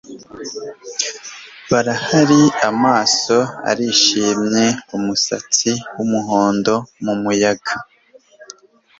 barahari, amaso arishimye, umusatsi wumuhondo mumuyaga